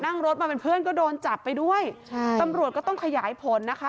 นั่งรถมาเป็นเพื่อนก็โดนจับไปด้วยใช่ตำรวจก็ต้องขยายผลนะคะ